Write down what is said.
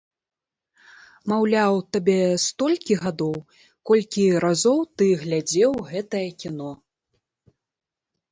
Маўляў, табе столькі гадоў, колькі разоў ты глядзеў гэтае кіно.